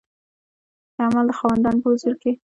د عمل د خاوندانو په حضور کې